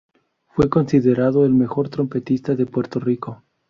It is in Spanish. Fue considerado el mejor trompetista de Puerto Rico.